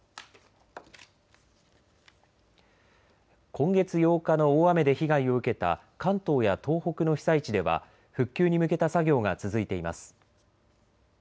今月８日の大雨で被害を受けた関東や東北の被災地では復旧に向けた作業が続いています。